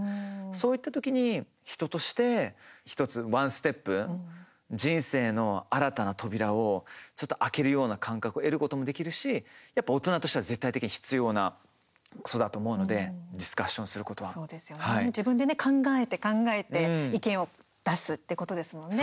そういった時に人として１つワンステップ、人生の新たな扉をちょっと開けるような感覚を得ることもできるしやっぱ大人としては絶対的に必要なことだと思うのでそうですよね、自分でね考えて考えて意見を出すってことですもんね。